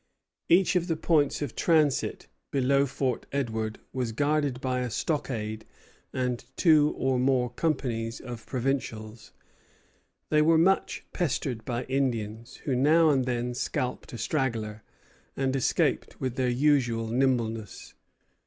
Each of the points of transit below Fort Edward was guarded by a stockade and two or more companies of provincials. They were much pestered by Indians, who now and then scalped a straggler, and escaped with their usual nimbleness.